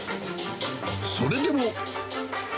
それでも。